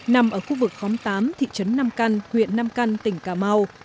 nằm ở khu vực khóm tám thị trấn nam căn huyện nam căn tỉnh cà mau